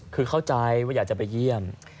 คือเข้าใจว่าอยากจะไปเยี่ยม